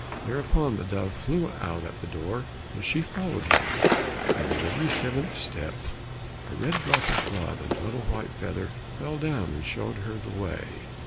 Thereupon the dove flew out at the door, and she followed him, and at every seventh step a red drop of blood and a little white feather fell down and showed her the way.